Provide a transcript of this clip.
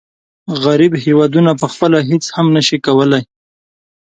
غریب هېوادونه پخپله هیڅ هم نشي کولای.